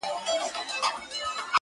o د بل جنگ لوى اختر دئ٫